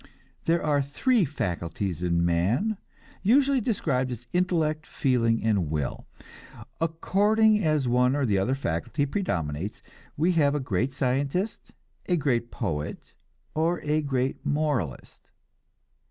There are three faculties in man, usually described as intellect, feeling and will. According as one or the other faculty predominates, we have a great scientist, a great poet, or a great moralist.